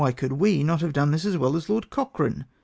could wc not have done this as well as Lord Cochrane?"